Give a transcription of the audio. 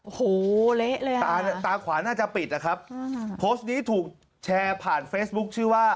โอ้โหเละเลยอ่ะตาตาขวาน่าจะปิดนะครับโพสต์นี้ถูกแชร์ผ่านเฟซบุ๊คชื่อว่า